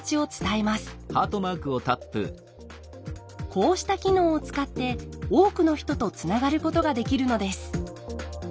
こうした機能を使って多くの人とつながることができるのです。